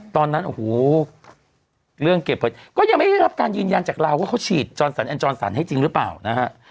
ตอนนั้นโอ้โหเรื่องเก็บเผยก็ยังไม่ได้รับการยืนยันจากเราว่าเขาฉีดจรสันแอนจรสันให้จริงหรือเปล่านะฮะ